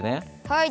はい！